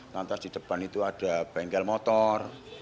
lantas di depan itu ada bengkel motor